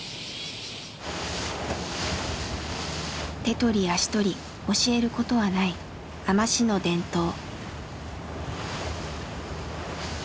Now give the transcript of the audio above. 手取り足取り教えることはない海士の伝統。